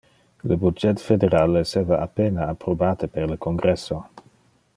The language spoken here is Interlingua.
Le budget federal esseva a pena approbate per le Congresso.